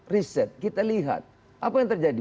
riset kita lihat apa yang terjadi